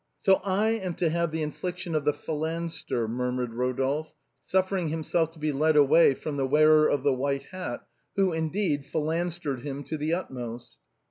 " So I am to have the infliction of the phalanstère," murmured Rodolphe, suffering himself to be led away by the wearer of the white hat, who, indeed, phalanstered him to the utmost.